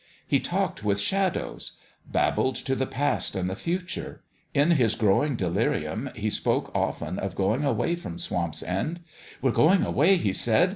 He talked with shadows babbled to the Past and the Future. In this growing de lirium he spoke often of going away from Swamp's End. "We're going away," he said.